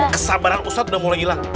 kesabaran ustadz sudah mulai hilang